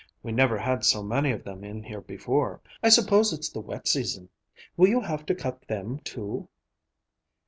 We never had so many of them in here before. I suppose it's the wet season. Will you have to cut them, too?"